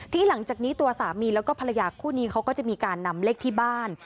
หลังจากนี้ตัวสามีแล้วก็ภรรยาคู่นี้เขาก็จะมีการนำเลขที่บ้าน